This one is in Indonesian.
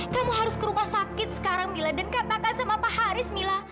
kamu harus ke rumah sakit sekarang miladen katakan sama pak haris mila